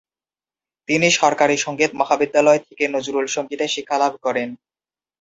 তিনি সরকারি সঙ্গীত মহাবিদ্যালয় থেকে নজরুল সংগীতে শিক্ষা লাভ করেন।